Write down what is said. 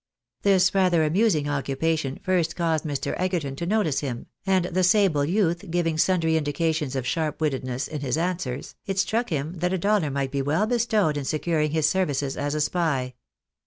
This rather amusing occupation first caused Mr. Egerton to notice him, and the sable youth giving sundry indications of sharp wittedness in his answers, it struck him that a dollar might be well bestowed in securing his services as a spy.